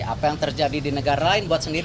apa yang terjadi di negara lain buat sendiri